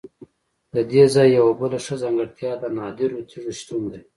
ددې ځای یوه بله ښه ځانګړتیا د نادرو تیږو شتون دی.